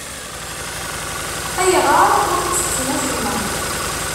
Ayɣer ur ttettem acemma?